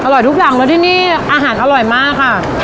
ทุกอย่างแล้วที่นี่อาหารอร่อยมากค่ะ